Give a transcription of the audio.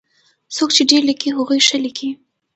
څوک چې ډېر ليکي هغوی ښه ليکي.